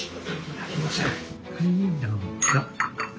はいどうぞ。